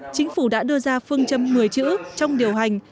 chính phủ đã đưa ra phương châm một mươi chữ trong điều hành